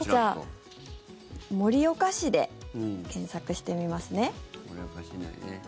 盛岡市で検索してみますね。